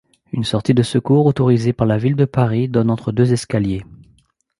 Une sortie de secours autorisée par la ville de Paris donne entre deux escaliers.